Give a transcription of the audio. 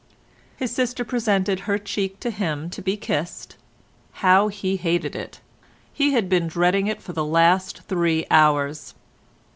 His sister presented her cheek to him to be kissed. How he hated it; he had been dreading it for the last three hours.